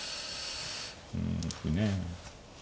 うん歩ね。